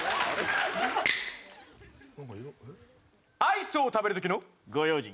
アイスを食べる時のご用心。